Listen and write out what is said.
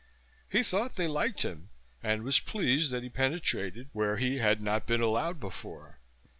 He thought they liked him and was pleased that he penetrated where he had not been allowed before